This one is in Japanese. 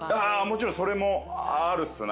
もちろんそれもあるっすな。